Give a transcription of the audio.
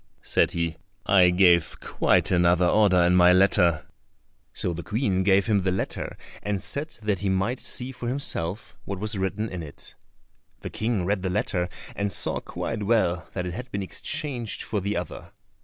said he; "I gave quite another order in my letter." So the Queen gave him the letter, and said that he might see for himself what was written in it. The King read the letter and saw quite well that it had been exchanged for the other.